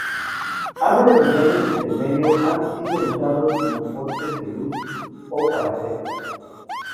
Árboles de diámetro intermedio han sido usados como postes de luz o para cercas.